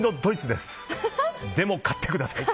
でも勝ってください。